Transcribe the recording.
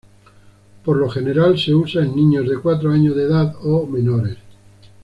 Por lo general se usa en niños de cuatro años de edad o menores.